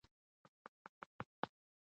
هغه اوړېده رااوړېده.